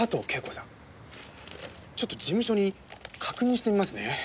ちょっと事務所に確認してみますね。